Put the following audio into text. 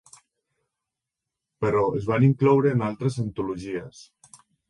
Però es van incloure en altres antologies.